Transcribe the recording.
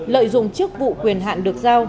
lợi dụng chức vụ quyền hạn được giao